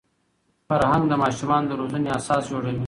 فرهنګ د ماشومانو د روزني اساس جوړوي.